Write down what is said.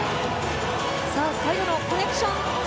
最後のコネクション。